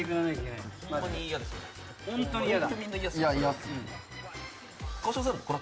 本当に嫌だ。